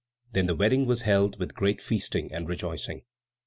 Then the wedding was held with great feasting and rejoicing.